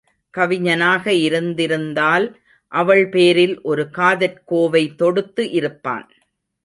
கவிஞனாக இருந்திருந்தால் அவள் பேரில் ஒரு காதற் கோவை தொடுத்து இருப்பான்.